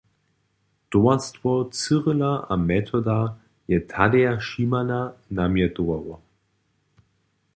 Towarstwo Cyrila a Metoda je Tadeja Šimana namjetowało.